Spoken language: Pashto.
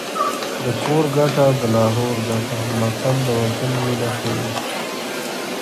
د کور ګټه د لاهور ګټه متل د وطن مینه ښيي